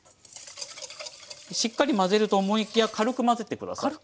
しっかり混ぜると思いきや軽く混ぜてください。